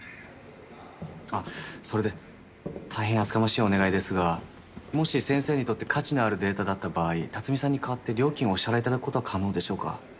あっそれで大変厚かましいお願いですがもし先生にとって価値のあるデータだった場合辰巳さんに代わって料金をお支払い頂く事は可能でしょうか？